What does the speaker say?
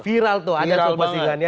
viral tuh ada postingannya